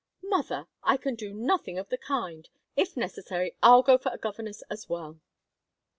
"Mother, I can do nothing of the kind. If necessary, I'll go for a governess as well."